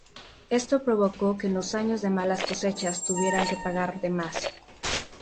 Esto provocó que en los años de malas cosechas tuvieran que pagar de más.